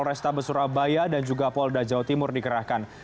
polrestabes surabaya dan juga polda jawa timur dikerahkan